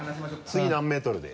次何メートルで？